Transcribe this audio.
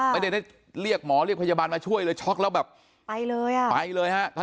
ไม่ได้ได้เรียกหมอเรียกพยาบาลมาช่วยเลยช็อกแล้วแบบไปเลยอ่ะไปเลยฮะ